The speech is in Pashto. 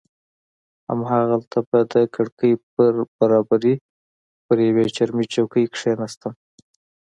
همالته به د کړکۍ پر برابري پر یوې چرمي چوکۍ کښېناستم.